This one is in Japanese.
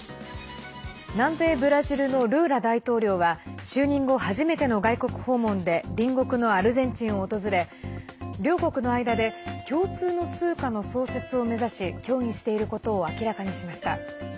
南米ブラジルのルーラ大統領は就任後、初めての外国訪問で隣国のアルゼンチンを訪れ両国の間で共通の通貨の創設を目指し協議していることを明らかにしました。